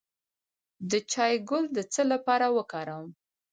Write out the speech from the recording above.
د چای ګل د څه لپاره وکاروم؟